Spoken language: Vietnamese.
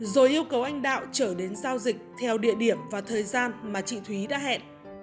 rồi yêu cầu anh đạo trở đến giao dịch theo địa điểm và thời gian mà chị thúy đã hẹn